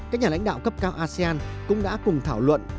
các nhà lãnh đạo cấp cao asean cũng đã cùng thảo luận